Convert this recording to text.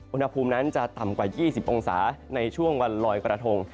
อุณหภูมินั้นจะต่ำกว่า๒๐องศาในช่วงวันลอยกระทง